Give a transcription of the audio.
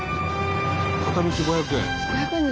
片道５００円１人？